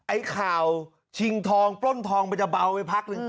ไอ้ข่าวชิงทองปล้นทองมันจะเบาไปพักหนึ่ง